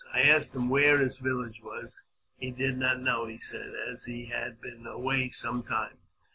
I asked him where his village was. He did not know, he said, as he had been away some time.